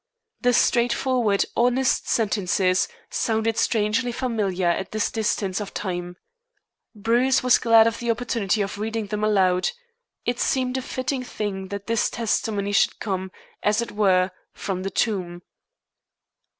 The straightforward, honest sentences sounded strangely familiar at this distance of time. Bruce was glad of the opportunity of reading them aloud. It seemed a fitting thing that this testimony should come, as it were, from the tomb.